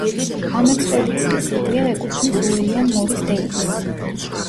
ამ ექსპედიციის იდეა ეკუთვნის უილიამ მორის დეივისს.